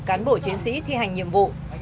cán bộ chiến sĩ thi hành nhiệm vụ